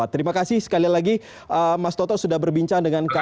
terima kasih sekali lagi mas toto sudah berbincang dengan kami